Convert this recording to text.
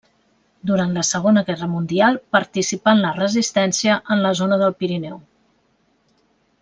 Durant la segona guerra mundial participà en la Resistència en la zona del Pirineu.